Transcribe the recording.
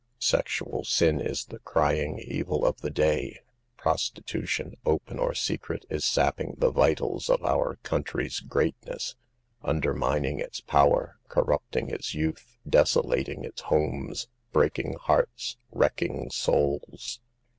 Sexual sin is the crying evil of the day. Prostitution, open or secret, is sapping the vi tals of our country's 'greatness, undermining its power, corrupting its youth, desolating its homes, breaking hearts, wrecking souls.